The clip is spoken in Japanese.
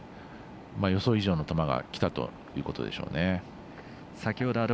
予想以上の球がきたということでしょうね。